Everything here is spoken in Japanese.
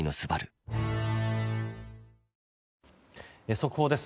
速報です。